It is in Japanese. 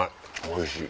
おいしい。